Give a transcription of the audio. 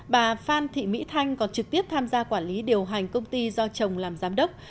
bà phan thị mỹ thanh còn trực tiếp tham gia quản lý điều hành công ty do chồng làm giám đốc